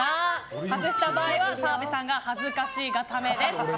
外した場合、澤部さんが恥ずかし固めです。